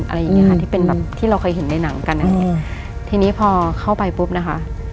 อะไรอย่างเงี้ค่ะที่เป็นแบบที่เราเคยเห็นในหนังกันอ่ะอืมทีนี้พอเข้าไปปุ๊บนะคะ